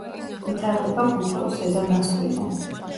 ვითარდება ბუტკოს ზედა ნასკვიდან.